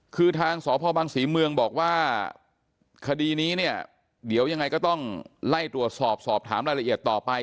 คือทางสพบังศรีเมืองบอกว่าคดีนี้เนี่ยเดี๋ยวยังไงก็ต้องไล่ตรวจสอบสอบถามรายละเอียดต่อไป